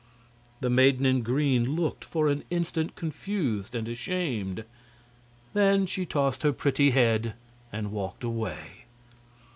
The maiden in green looked for an instant confused and ashamed; then she tossed her pretty head and walked away.